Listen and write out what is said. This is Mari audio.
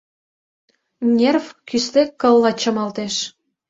Нерв кӱсле кылла чымалтеш.